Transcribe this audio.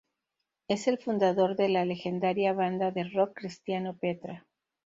Es el fundador de la legendaria banda de rock cristiano Petra.